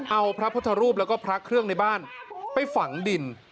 เอาพระพุทธรูปแล้วก็พระเครื่องในบ้านไปฝังดิน